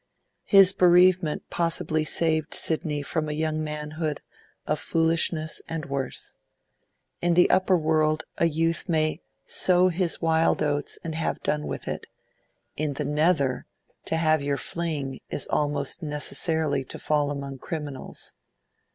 His bereavement possibly saved Sidney from a young manhood of foolishness and worse. In the upper world a youth may 'sow his wild oats' and have done with it; in the nether, 'to have your fling' is almost necessarily to fall among criminals.